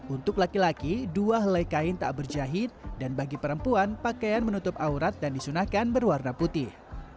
untuk laki laki dua helai kain tak berjahit dan bagi perempuan pakaian menutup aurat dan disunahkan berwarna putih